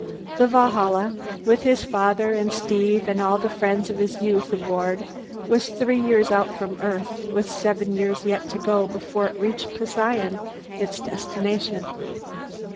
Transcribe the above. The Valhalla, with his father and Steve and all the friends of his youth aboard, was three years out from Earth with seven years yet to go before it reached Procyon, its destination.